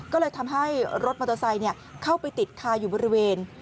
ก็เลยทำให้รถมอเตอร์ไซค์เข้าไปติดคาอยู่บริเวณ